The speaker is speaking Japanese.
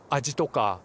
味とか。